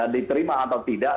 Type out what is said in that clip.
diterima atau tidak